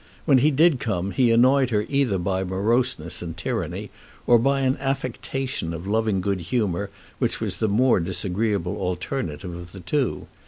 When he did come he annoyed her either by moroseness and tyranny, or by an affectation of loving good humour, which was the more disagreeable alternative of the two.